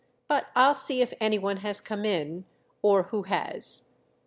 But I'll see if any one has come in—or who has."